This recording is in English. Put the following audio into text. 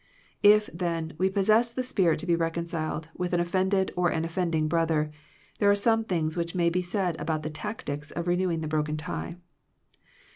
If, then, we possess the spirit to be rec onciled with an offended or an offending brother, there are some things which may be said about the tactics of renewing the broken tie.